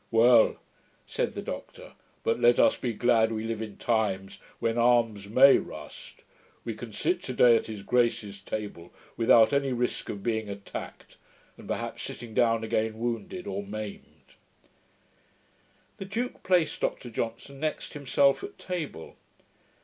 'Well,' said the doctor, 'but let us be glad we live in times when arms MAY rust. We can sit to day at his grace's table, without any risk of being attacked, and perhaps sitting down again wounded or maimed.' The duke placed Dr Johnson next himself at table.